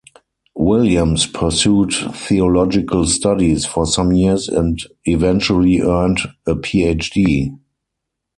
Williams pursued theological studies for some years and eventually earned a PhD.